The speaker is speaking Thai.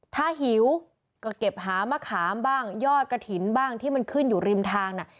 ถ้าหิวก็เก็บหามะขามบ้างยอดกระถิ่นบ้างที่มันขึ้นอยู่ริมทางน่ะ